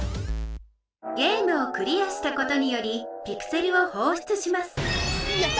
ゲームをクリアしたことによりピクセルをほうしゅつしますやった！